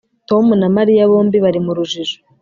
Tom na Mariya bombi bari mu rujijo